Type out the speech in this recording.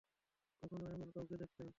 কখনো এমন কাউকে দেখেছেন?